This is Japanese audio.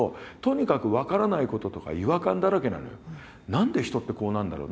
何で人ってこうなんだろう。